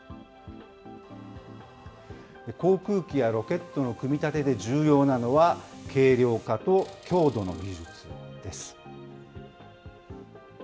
航空機やロケットの組み立てで重要なのは、軽量化と強度の技術です。